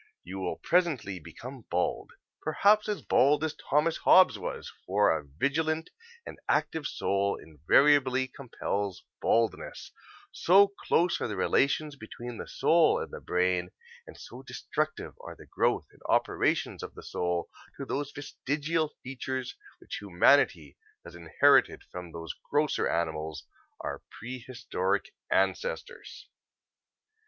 You will presently become bald perhaps as bald as Thomas Hobbes was for a vigilant and active soul invariably compels baldness, so close are the relations between the soul and the brain, and so destructive are the growth and operations of the soul to those vestigial features which humanity has inherited from those grosser animals, our prehistoric ancestors."